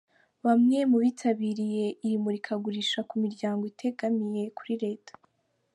Bamwe mu bitabiriye iri murikagurisha ku miryango itegamiye kuri Leta.